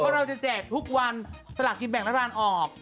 เราจะแจกทุกวันสลัดกินแบบราคาออก